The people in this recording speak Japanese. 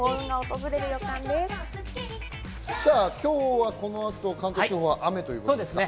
今日はこの後、関東地方は雨ということですか？